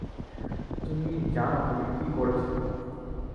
তুমি জানো তুমি কী করেছো?